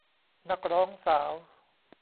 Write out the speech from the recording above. นักร้องสาว